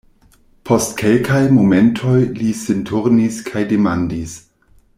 Post kelkaj momentoj li sin turnis kaj demandis: